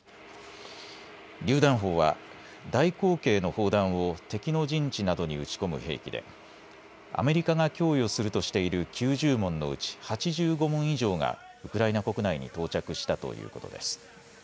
りゅう弾砲は大口径の砲弾を敵の陣地などに撃ち込む兵器でアメリカが供与するとしている９０門のうち８５門以上がウクライナ国内に到着したということです。